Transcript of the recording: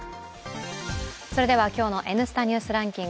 今日の「Ｎスタ・ニュースランキング」。